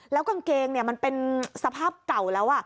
แล้วกางเกงมันเป็นสภาพเก่าแล้ว